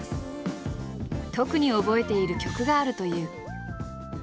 特に覚えている曲があるという。